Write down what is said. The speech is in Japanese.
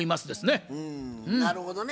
なるほどね。